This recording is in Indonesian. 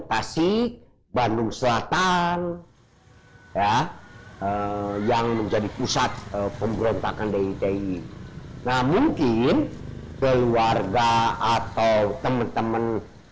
tasik bandung selatan yang menjadi pusat pemberontakan di ti mungkin keluarga atau teman teman